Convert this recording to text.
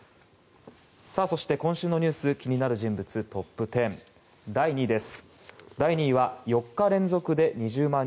そして今週の気になる人物トップ１０第２位は４日連続で２０万